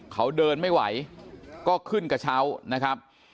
เขาเดินไม่ไหวก็ขึ้นกระเช้านะครับ